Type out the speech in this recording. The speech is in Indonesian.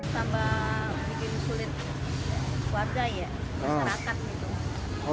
tambah bikin sulit warga ya masyarakat gitu